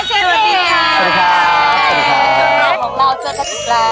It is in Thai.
เชฟเมล์ของเราเจอกันทุกแรก